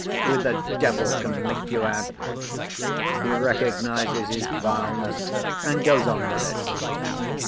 Who the devil can make you out? He recognizes his vileness and goes on with it!